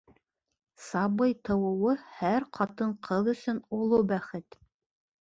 Сабый тыуыуы һәр ҡатын-ҡыҙ өсөн оло бәхет.